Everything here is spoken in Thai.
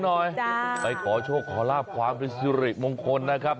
ในความหวังก็ต้องไปกันหน่อย